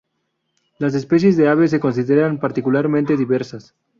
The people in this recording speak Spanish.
Las especies de aves se consideran particularmente diversas.